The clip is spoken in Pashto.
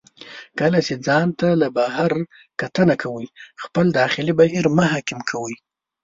کله چې ځان ته له بهر کتنه کوئ، خپل داخلي بهیر مه حاکم کوئ.